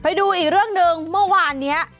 ไปดูอีกเรื่องหนึ่งเมื่อวานนี้